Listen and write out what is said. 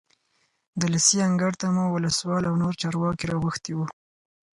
د لېسې انګړ ته مو ولسوال او نور چارواکي راغوښتي وو.